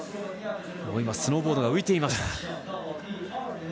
スノーボードが浮いていました。